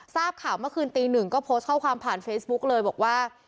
ทราบข่าวเมื่อคืนตีหนึ่งก็โพสต์ข้อความผ่านเฟซบุ๊กเลยบอกว่า